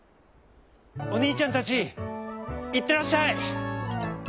「おにいちゃんたちいってらっしゃい！